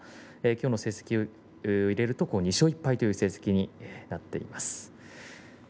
きょうの成績を入れると２勝１敗という成績になっています。